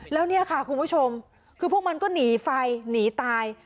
แล้วเนี่ยค่ะคุณผู้ชมคือพวกมันก็หนีไฟหนีตาย